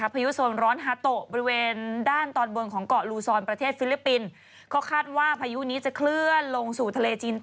พะยุสนร้อนฮาโตะบริเวณด้านตอนบนของเกาะลูซอลประเทศฟิลิปปินท์